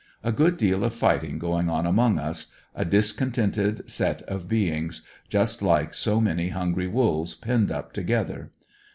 A good deal of fighting going on among us— a discontented set of beings; just like so many hungry wolves penned up together.